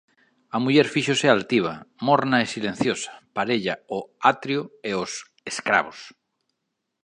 A muller fíxose altiva, morna e silenciosa, parella ó atrio e ós escravos.